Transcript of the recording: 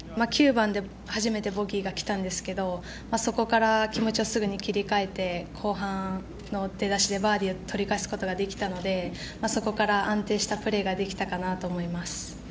９番で初めてボギーが来たんですがそこから気持ちをすぐに切り替えて後半の出だしでバーディーを取り返すことができたのでそこから安定したプレーができたかなと思います。